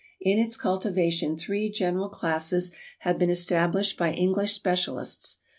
In its cultivation three general classes have been established by English specialists.